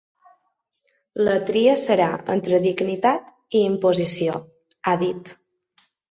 La tria serà entre dignitat i imposició, ha dit.